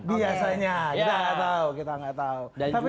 biasanya kita gak tau kita gak tau